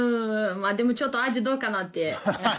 まあでもちょっと味どうかなって。